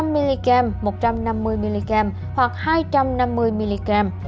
một trăm linh mg một trăm năm mươi mg hoặc hai trăm năm mươi mg